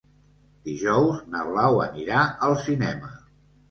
Dijous na Blau anirà al cinema.